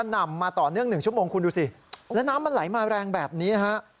นำมาต่อเนื่อง๑ชั่วโมงคุณดูสิแล้วน้ำมันไหลมาแรงแบบนี้นะฮะ